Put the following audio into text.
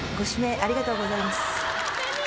ありがとうございます。